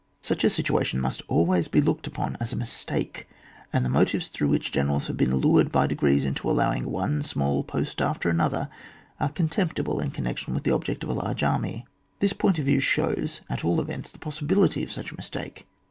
Such a situation must always be looked upon as a mistake ; and the motives through which generals have been lured by degrees into allowing one small post after another, are contemptible in connection with the object of a large army ; this x>oint of view shows, at all events, the possibility of such a mistake.